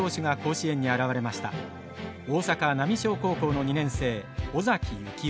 大阪浪商高校の２年生尾崎行雄。